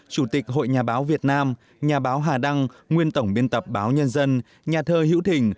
chủ tịch hội nhà báo việt nam nhà báo hà đăng nguyên tổng biên tập báo nhân dân nhà thơ hữu thình